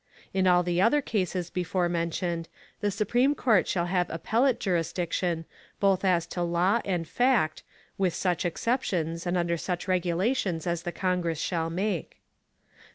In all the other Cases before mentioned, the supreme Court shall have appellate Jurisdiction, both as to Law and Fact, with such Exceptions, and under such Regulations as the Congress shall make.